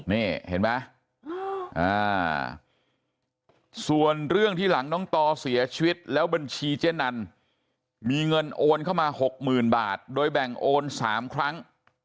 นี่เห็นไหมส่วนเรื่องที่หลังน้องต่อเสียชีวิตแล้วบัญชีเจ๊นันมีเงินโอนเข้ามา๖๐๐๐บาทโดยแบ่งโอน๓ครั้ง